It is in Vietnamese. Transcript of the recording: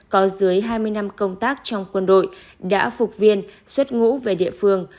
có dưới hai mươi năm công tác trong quân đội đã phục viên xuất ngũ về địa phương